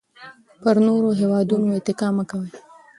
پر نورو هېوادونو اتکا مه کوئ.